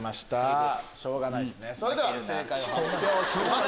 それでは正解を発表します。